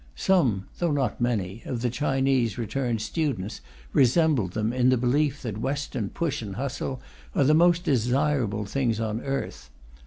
Some (though not many) of the Chinese returned students resemble them in the belief that Western push and hustle are the most desirable things on earth.